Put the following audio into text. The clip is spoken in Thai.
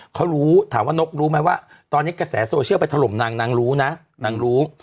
เขารู้ถามว่านกรู้ไหมว่าตอนนี้กระแสโซเชียลไปถล่มนางนางรู้นะนางรู้